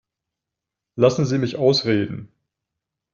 Lassen Sie mich ausreden.